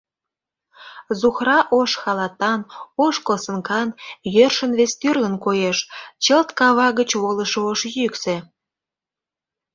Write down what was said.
Зухра ош халатан, ош косынкан — йӧршын вестӱрлын коеш — чылт кава гыч волышо ош йӱксӧ.